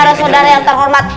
saudara saudara yang terhormat